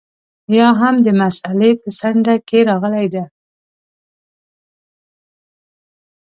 یا هم د مسألې په څنډه کې راغلې ده.